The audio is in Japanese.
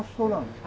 はい。